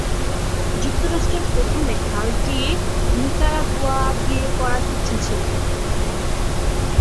যুক্তরাষ্ট্রের প্রথমে খালটি নিকারাগুয়া দিয়ে করার ইচ্ছা ছিল।